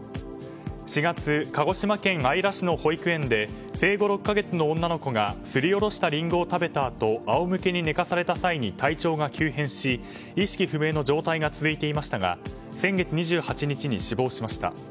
４月、鹿児島県姶良市の保育園で生後６か月の女の子がすりおろしたリンゴを食べたあと仰向けに寝かされた際に体調が急変し意識不明の状態が続いていましたが先月２８日に死亡しました。